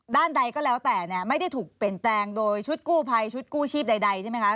ด้านใดก็แล้วแต่เนี่ยไม่ได้ถูกเปลี่ยนแปลงโดยชุดกู้ภัยชุดกู้ชีพใดใช่ไหมคะ